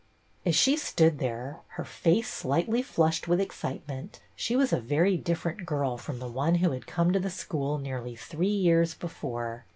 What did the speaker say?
" As she stood there, her face slightly flushed with excitement, she was a very different girl from the one who had come to the school nearly three years before.